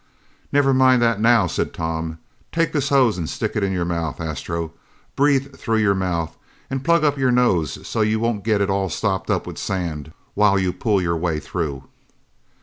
"Never mind that now!" said Tom. "Take this hose and stick it in your mouth, Astro. Breath through your mouth and plug up your nose so you won't get it all stopped up with sand while you pull your way through."